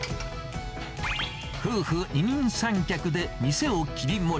夫婦二人三脚で店を切り盛り。